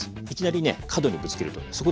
いきなりね角にぶつけるとね